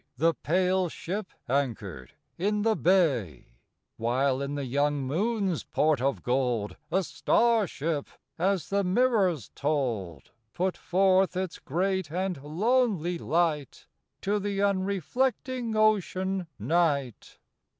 The pale ship anchored in the bay, While in the young moon's port of gold A star ship — as the mirrors told — Put forth its great and lonely light To the unreflecting Ocean, Night.